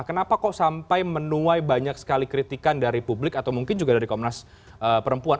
kenapa kok sampai menuai banyak sekali kritikan dari publik atau mungkin juga dari komnas perempuan